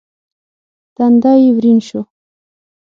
تندی يې ورين شو.